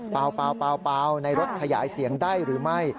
เปล่าในรถขยายเสียงได้หรือไม่